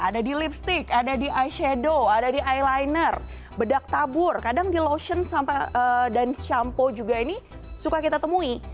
ada di lipstick ada di eye shadow ada di eyliner bedak tabur kadang di lotion dan shampo juga ini suka kita temui